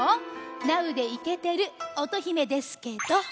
ナウでイケてる乙姫ですけど。